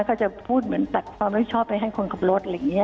ก็จะพูดเหมือนตัดความรับผิดชอบไปให้คนขับรถอะไรอย่างนี้